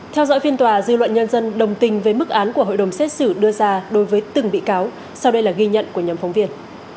theo dõi phiên tòa dư luận nhân dân đồng tình với mức án của hội đồng xét xử đưa ra đối với từng bị cáo sau đây là ghi nhận của nhóm phóng viên